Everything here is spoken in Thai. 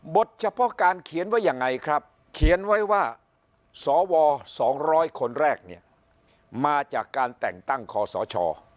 เฉพาะการเขียนไว้ยังไงครับเขียนไว้ว่าสว๒๐๐คนแรกเนี่ยมาจากการแต่งตั้งคอสช